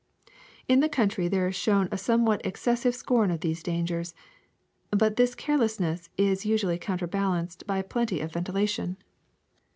In the country there is shown a somewhat exces sive scorn of these dangers, but this carelessness is usually counterbalanced by plenty of ventilation.